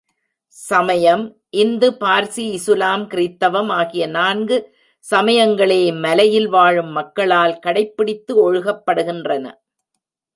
சமயம் இந்து, பார்சி, இசுலாம், கிறித்தவம் ஆகிய நான்கு சமயங்களே இம்மலையில் வாழும் மக்களால் கடைப்பிடித்து ஒழுகப் படுகின்றன.